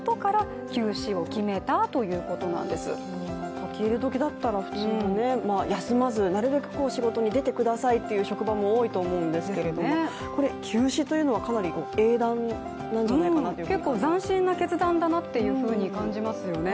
書き入れ時だったら休まず、なるべく仕事に出てくださいっていう職場も多いと思うんですけれども休止というのはかなり英断なんじゃないかなと結構斬新な決断だなと感じますよね。